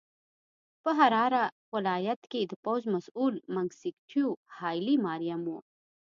په حراره ولایت کې د پوځ مسوول منګیسټیو هایلي ماریم و.